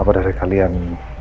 apa dari kalian